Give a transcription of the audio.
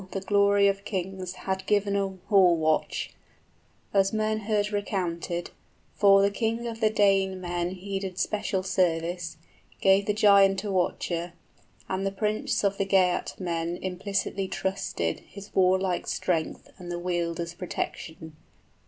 } 5 The Glory of Kings had given a hall watch, As men heard recounted: for the king of the Danemen He did special service, gave the giant a watcher: And the prince of the Geatmen implicitly trusted {Beowulf is self confident} His warlike strength and the Wielder's protection.